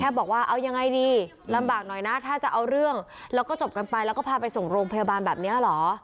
บอกว่าเอายังไงดีลำบากหน่อยนะถ้าจะเอาเรื่องแล้วก็จบกันไปแล้วก็พาไปส่งโรงพยาบาลแบบนี้เหรอ